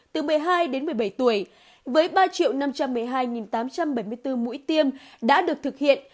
từ một mươi hai đến một mươi bảy tuổi với ba năm trăm một mươi hai tám trăm bảy mươi bốn mũi tiêm đã được thực hiện